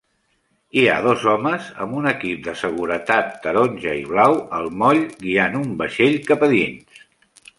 Hi ha dos homes amb un equip de seguretat taronja i blau al moll guiant un vaixell cap a dins.